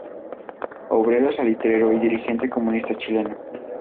Obrero salitrero y dirigente comunista chileno.